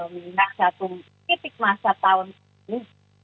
mengingat satu titik masa tahun ini